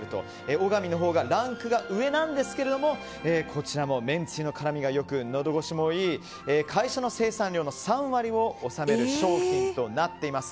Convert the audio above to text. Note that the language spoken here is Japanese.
小神のほうがランクが上なんですけれどもこちらもめんつゆの絡みが良くのど越しもいい会社の生産量の３割を占める商品となっています。